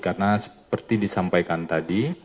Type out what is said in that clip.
karena seperti disampaikan tadi